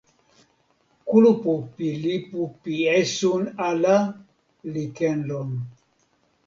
kulupu pi lipu pi esun ala li ken lon.